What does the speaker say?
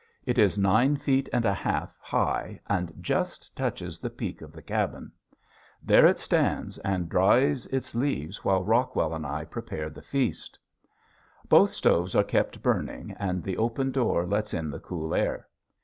It is nine feet and a half high and just touches the peak of the cabin. There it stands and dries its leaves while Rockwell and I prepare the feast. [Illustration: SUPERMAN] Both stoves are kept burning and the open door lets in the cool air.